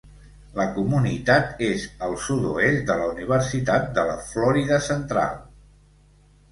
La comunitat és al sud-oest de la Universitat de la Florida Central.